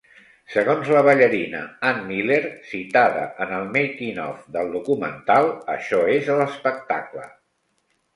Segons la ballarina Ann Miller, citada en el "making-of" del documental "Això és l'espectacle"